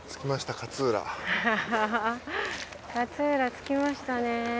勝浦着きましたね。